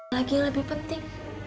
yang lebih penting